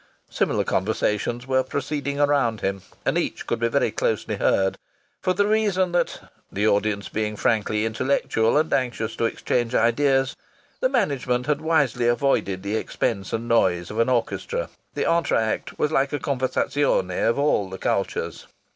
Similar conversations were proceeding around him, and each could be very closely heard, for the reason that, the audience being frankly intellectual and anxious to exchange ideas, the management had wisely avoided the expense and noise of an orchestra. The entr'acte was like a conversazione of all the cultures.